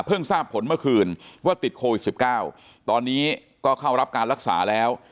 ทราบผลเมื่อคืนว่าติดโควิด๑๙ตอนนี้ก็เข้ารับการรักษาแล้ว